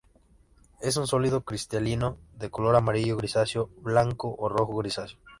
Es un sólido cristalino de color amarillo grisáceo, blanco o rojo grisáceo.